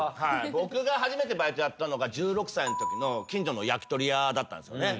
僕が初めてバイトやったのが１６歳のときの近所の焼き鳥屋だったんですね。